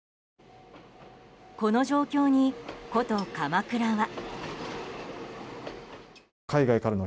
この状況に古都・鎌倉は。